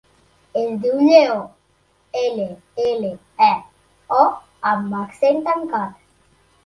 Es diu Lleó: ela, ela, e, o amb accent tancat.